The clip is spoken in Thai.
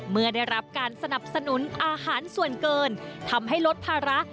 เมื่อได้รับการสนับสนุนอาหารส่วนเกินทำให้ลดภาระ